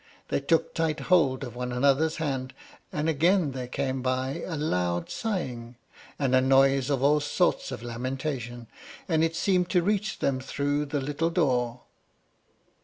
They took tight hold of one another's hand, and again there came by a loud sighing, and a noise of all sorts of lamentation, and it seemed to reach them through the little door.